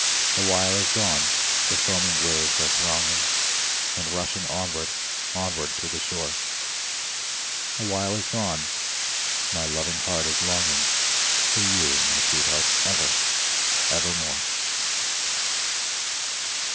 ... A while is gone—the foaming waves are thronging And rushing onward, onward to the shore; A while is gone—my loving heart is longing For you, my sweetheart, ever, evermore.